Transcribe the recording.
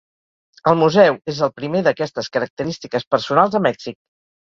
El museu és el primer d'aquestes característiques personals a Mèxic.